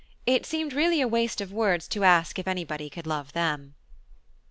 It seemed really a waste of words to ask if anybody could love them.